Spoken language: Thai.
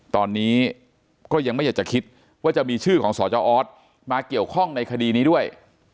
ตอนนี้ก็ยังไม่อยากจะคิดว่าจะมีชื่อของสจออสมาเกี่ยวข้องในคดีนี้ด้วย